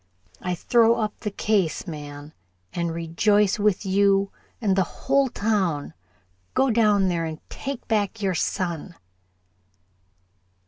"I throw up the case, man, and rejoice with you and the whole town. Go down there and take back your son."